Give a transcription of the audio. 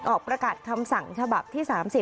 ออกประกาศคำสั่งฉบับที่๓๐